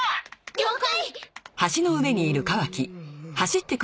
了解！